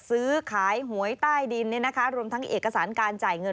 ซื้อขายหวยใต้ดินรวมทั้งเอกสารการจ่ายเงิน